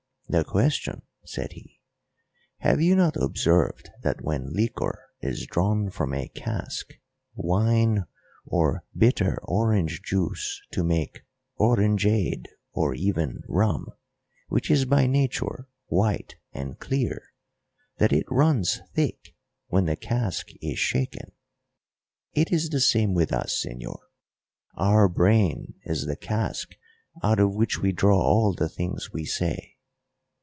"The question!" said he. "Have you not observed that when liquor is drawn from a cask wine, or bitter orange juice to make orangeade, or even rum, which is by nature white and clear that it runs thick when the cask is shaken? It is the same with us, señor; our brain is the cask out of which we draw all the things we say."